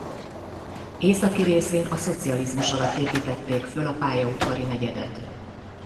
Északi részén a szocializmus alatt építették föl a Pályaudvari-negyedet.